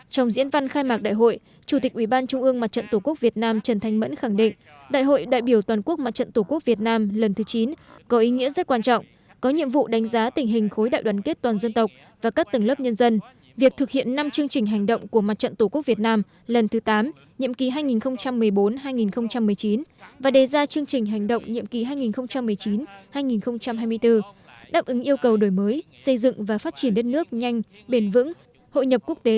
trong diễn văn khai mạc đại hội chủ tịch ubnd mặt trận tổ quốc việt nam trần thanh mẫn khẳng định đại hội đại biểu toàn quốc mặt trận tổ quốc việt nam lần thứ chín có ý nghĩa rất quan trọng có nhiệm vụ đánh giá tình hình khối đại đoàn kết toàn dân tộc và các tầng lớp nhân dân việc thực hiện năm chương trình hành động của mặt trận tổ quốc việt nam lần thứ tám nhiệm ký hai nghìn một mươi bốn hai nghìn một mươi chín và đề ra chương trình hành động nhiệm ký hai nghìn một mươi chín hai nghìn hai mươi bốn đáp ứng yêu cầu đổi mới xây dựng và phát triển đất nước nhanh bền vững hội nhập quốc tế